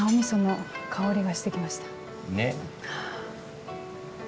その香りがしてきました。ね。